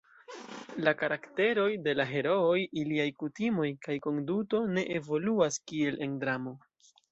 La karakteroj de la herooj, iliaj kutimoj kaj konduto ne evoluas kiel en dramo.